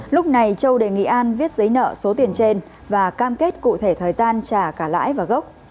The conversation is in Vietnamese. lúc này châu đề nghị an viết giấy nợ số tiền trên và cam kết cụ thể thời gian trả cả lãi và gốc